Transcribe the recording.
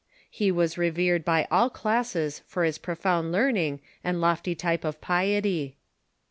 He was revered by all classes for his profound learning and lofty type of piety.